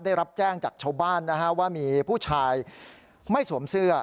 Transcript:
ได้รับแจ้งจากชาวบ้านนะฮะว่ามีผู้ชายไม่สวมเสื้อ